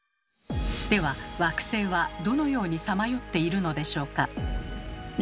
では惑星はどのようにさまよっているのでしょうか？